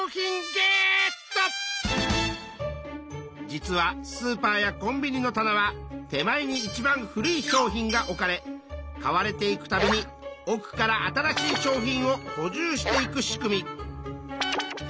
実はスーパーやコンビニの棚は手前にいちばん古い商品が置かれ買われていくたびに奥から新しい商品をほじゅうしていく仕組み。